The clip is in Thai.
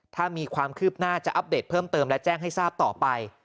ถ้ามีความคืบหน้าจะอัปเดตเพิ่มเติมและแจ้งให้ทราบต่อไป